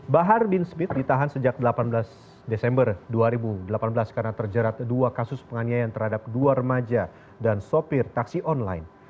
bahar bin smith ditahan sejak delapan belas desember dua ribu delapan belas karena terjerat dua kasus penganiayaan terhadap dua remaja dan sopir taksi online